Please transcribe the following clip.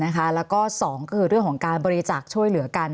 แล้วก็๒ก็คือเรื่องของการบริจาคช่วยเหลือกัน